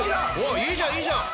いいじゃんいいじゃん。